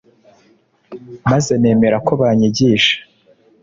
maze nemera ko banyigisha